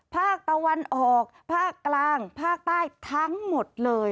ภาคตะวันออกภาคกลางภาคใต้ทั้งหมดเลย